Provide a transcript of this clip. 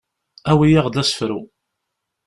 Awi-yaɣ-d asefru.